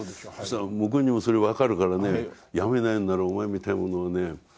向こうにもそれ分かるからね辞めないんならお前みたいな者はね